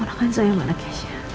orang kan sayang pada kejahatannya